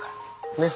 ねっ。